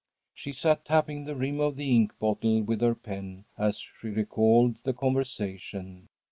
She sat tapping the rim of the ink bottle with her pen as she recalled the conversation.